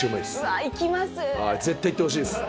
はい絶対行ってほしいです。